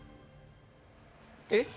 えっ？